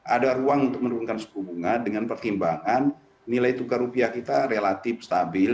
ada ruang untuk menurunkan suku bunga dengan pertimbangan nilai tukar rupiah kita relatif stabil